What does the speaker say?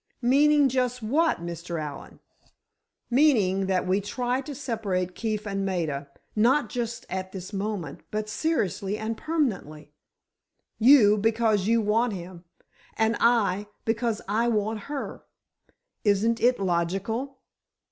"Meaning just what, Mr. Allen?" "Meaning that we try to separate Keefe and Maida—not just at this moment—but seriously and permanently. You, because you want him, and I, because I want her. Isn't it logical?"